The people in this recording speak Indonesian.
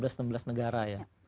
lima belas sampai enam belas negara ya